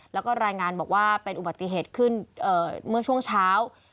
แล้วก็รายงานบอกว่าเป็นอุบัติเหตุขึ้นเมื่อช่วงเช้า